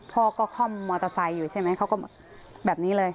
พ่อก็คล่อมมอเตอร์ไซค์อยู่ใช่ไหมเขาก็แบบนี้เลย